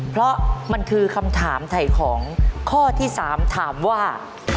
เพราะมันคือคำถามถ่ายของข้อที่๓ถามว่า